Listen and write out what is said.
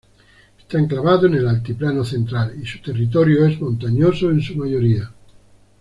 Está enclavado en el Altiplano Central y su territorio es montañoso en su mayoría.